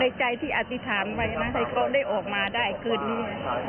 ใจที่อธิษฐานไว้นะให้เขาได้ออกมาได้คืนนี้